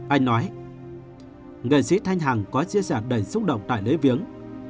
anh nói nghệ sĩ thanh hằng có chia sẻ đầy xúc động tại lễ viếng